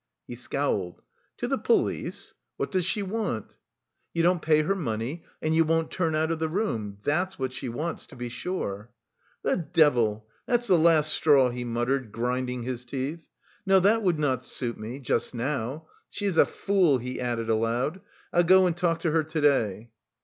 He scowled. "To the police? What does she want?" "You don't pay her money and you won't turn out of the room. That's what she wants, to be sure." "The devil, that's the last straw," he muttered, grinding his teeth, "no, that would not suit me... just now. She is a fool," he added aloud. "I'll go and talk to her to day."